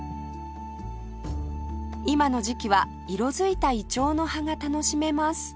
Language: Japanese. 今の時期は色づいたイチョウの葉が楽しめます